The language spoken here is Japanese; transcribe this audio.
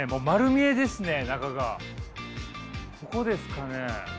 ここですかね？